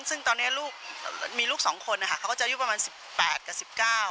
ซึ่งตอนนี้มีลูกสองคนเขาก็จะอายุประมาณ๑๘กับ๑๙